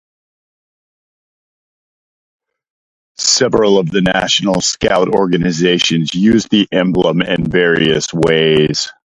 Several of the national Scout organizations use the emblem in various ways.